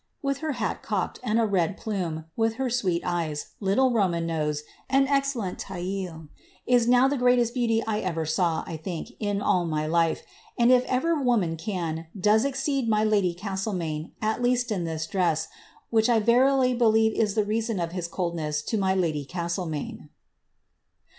••, with her hat cocked, and a red plume, with her sweet e3res9 an nose, and excellent taille^ is now the greatest beauty I ever ik, in all my life ; and if ever woman can, does exceed my emaine, at least in this dress, which I verily believe is the rea coldness to my lady Castlemaine."